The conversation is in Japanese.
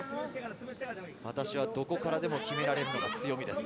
私はどこからでも決められるのが強みです。